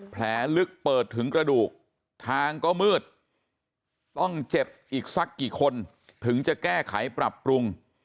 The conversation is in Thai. แผลลึกเปิดถึงกระดูกทางก็มืดต้องเจ็บอีกสักกี่คนถึงจะแก้ไขปรับปรุง